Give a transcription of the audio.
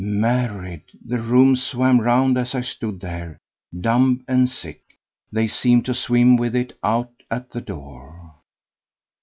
Married! The room swam round; and as I stood there, dumb and sick, they seemed to swim with it out at the door.